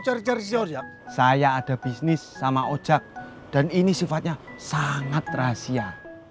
cari cari sejak saya ada bisnis sama ojek dan ini sifatnya sangat rahasia